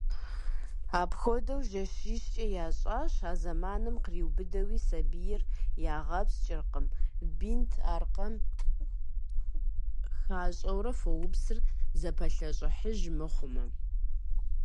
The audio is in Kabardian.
Апхуэдэу жэщищкӀэ ящӀ, а зэманым къриубыдэуи сабийр ягъэпскӀыркъым, бинт аркъэм хащӀэурэ фоупсыр зэпалъэщӀыхьыж мыхъумэ.